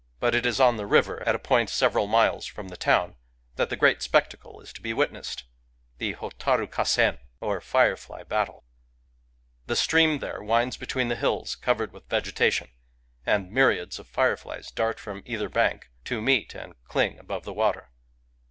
But it is on the river, at a point several miles from the town, that the great spectacle is to be witnessed, — the Hotaru Kassen^ or Firefly Battle. The stream there winds between hills covered with vegetation ; and myriads of fireflies dart from either bank, to meet and cling above the water.